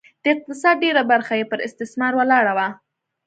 د اقتصاد ډېره برخه یې پر استثمار ولاړه وه